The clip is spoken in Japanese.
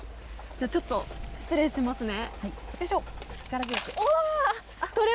ちょっと失礼しますね。